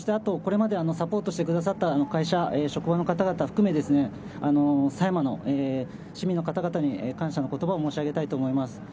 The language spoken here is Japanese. これまでサポートしてくださった会社、職場の方々含め狭山の市民の方々に感謝の言葉を申し上げたいと思います。